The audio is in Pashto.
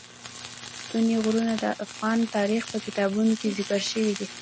ستوني غرونه د افغان تاریخ په کتابونو کې ذکر شوی دي.